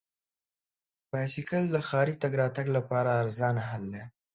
بایسکل د ښاري تګ راتګ لپاره ارزانه حل دی.